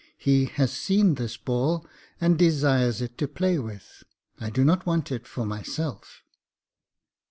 He has seen this ball, and desires it to play with, I do not want it for myself.'